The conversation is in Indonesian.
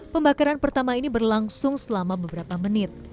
pembakaran pertama ini berlangsung selama beberapa menit